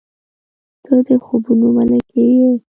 • ته د خوبونو ملکې یې.